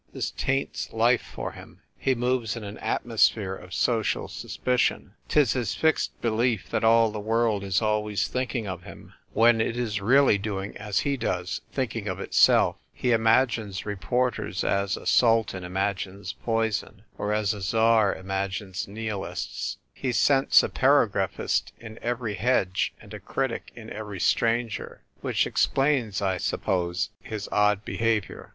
This taints life for him : he moves in an at mosphere of social suspicion^ 'Tis his fixed belief that all the world is always thinking of him, when it is really doing as he does — thinking of itself. He imagines reporters as a sultan imagines poison, or as a tsar imagines nihilists ; he scents a paragraphist in every hedge, and a critic in every stranger." Which explains, I suppose, his odd behaviour.